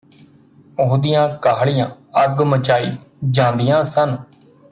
ਉਹਦੀਆਂ ਕਾਹਲੀਆਂ ਅੱਗ ਮਚਾਈ ਜਾਂਦੀਆਂ ਸਨ